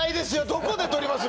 どこで撮ります？